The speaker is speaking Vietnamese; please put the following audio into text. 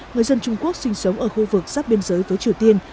người dân trung quốc sinh sống ở khu vực sắp biên giới với triều tiên